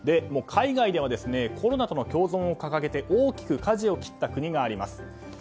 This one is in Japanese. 海外ではコロナとの共存を掲げて大きくかじを切った国があります。